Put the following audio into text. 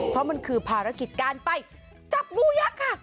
เพราะมันคือภารกิจการไปจับงูยักษ์ค่ะ